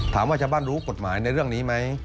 ถามว่าชาวบ้านรู้กฎหมายในเรื่องนี้ไหม